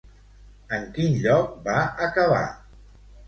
En quin lloc va acabar?